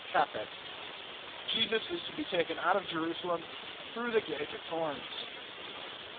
Capet. Jesus is to be taken out of Jerusalem through the gate of Tournes.